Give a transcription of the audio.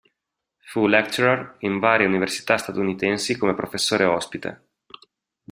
Fu "lecturer" in varie università statunitensi come professore ospite.